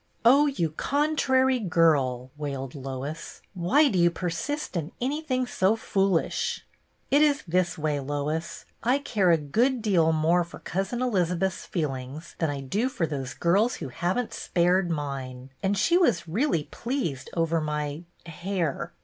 " Oh, you contrary girl," wailed Lois. " Why do you persist in anything so foolish ?"" It is this way, Lois. I care a good deal more for Cousin Elizabeth's feelings than I do for those girls who have n't spared mine ; and she was really pleased over my — hair.